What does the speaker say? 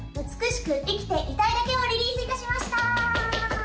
「美しく生きていたいだけ」をリリースいたしました！